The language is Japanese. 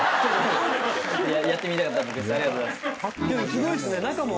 すごいっすね中も。